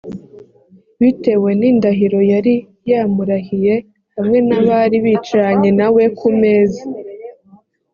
bitewe n’indahiro yari yamurahiye, hamwe n’abari bicaranye na we ku meza.